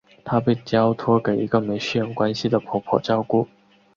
他被交托给一个没血缘关系的婆婆照顾。